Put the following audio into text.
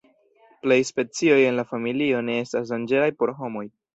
Plej specioj en la familio ne estas danĝeraj por homoj.